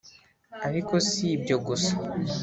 Ariko si ibyo gusa